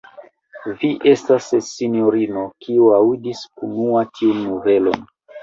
Vi estas, sinjorino, kiu aŭdis unua tiun novelon.